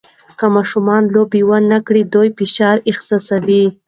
که ماشومان لوبې نه وکړي، دوی فشار احساسوي.